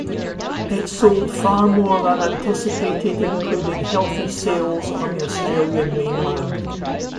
It sold far more than anticipated, including healthy sales on the Australian mainland.